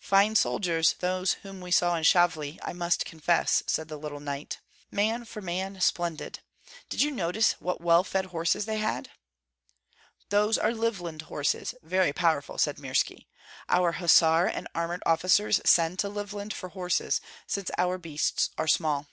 "Fine soldiers, those whom we saw in Shavli, I must confess," said the little knight, "man for man splendid! Did you notice what well fed horses they had?" "Those are Livland horses, very powerful," said Mirski. "Our hussar and armored officers send to Livland for horses, since our beasts are small."